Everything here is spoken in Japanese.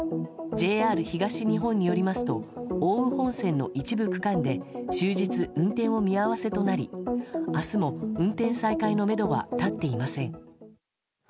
ＪＲ東日本によりますと奥羽本線の一部区間で終日運転を見合わせとなり明日も運転再開のめどは立っていません。